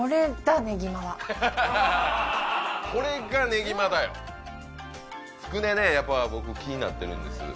これがねぎ間だよつくねやっぱ僕気になってるんです